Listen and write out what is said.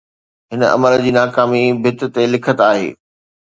هن عمل جي ناڪامي ڀت تي لکت آهي.